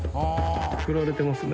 くくられてますね。